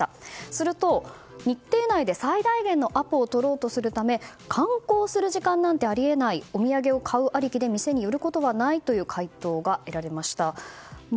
すると、日程内で最大限のアポを取ろうとするため観光する時間なんてあり得ないお土産を買うありきで店に寄ることはないとの回答が得られました。